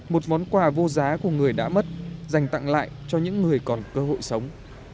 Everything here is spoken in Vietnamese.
một món quà vô giá của người đã mất dành tặng lại cho những người còn cơ hội sống